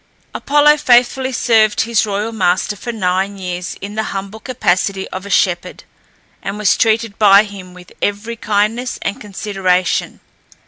Apollo faithfully served his royal master for nine years in the humble capacity of a shepherd, and was treated by him with every kindness and consideration.